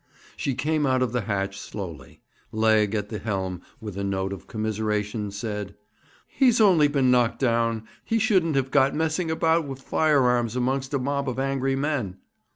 She came out of the hatch slowly. Legg, at the helm, with a note of commiseration, said: 'He's only been knocked down. He shouldn't have got messing about with firearms amongst a mob of angry men.'